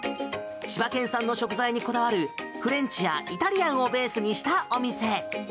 千葉県産の食材にこだわるフレンチやイタリアンをベースにしたお店。